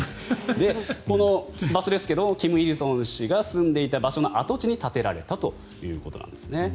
この場所は金日成氏が住んでいた場所の跡地に跡地に建てられたということなんですね。